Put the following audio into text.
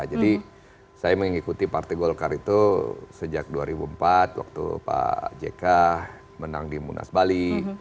jadi saya mengikuti partai golkar itu sejak dua ribu empat waktu pak jk menang di munas bali